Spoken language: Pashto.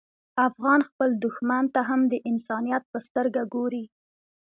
افغان خپل دښمن ته هم د انسانیت په سترګه ګوري.